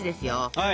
はい。